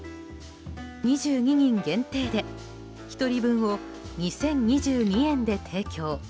２２人限定で１人分を２０２２円で提供。